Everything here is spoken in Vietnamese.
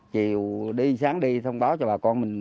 chiều đi sáng đi thông báo cho bà con mình